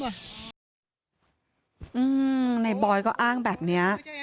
อืมในบอยก็อ้างแบบนี้